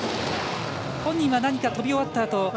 本人は何か飛び終わったあと。